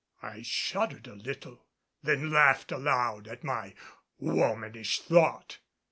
I shuddered a little; then laughed aloud at my womanish thought.